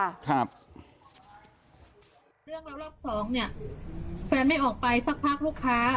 เรื่องเรารอบสองเนี่ยแฟนไม่ออกไปสักพักลูกค้า